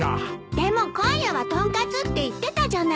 でも今夜は豚カツって言ってたじゃない！